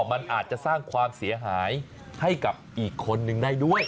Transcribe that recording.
มันอาจจะสร้างความเสียหายให้กับอีกคนนึงได้ด้วย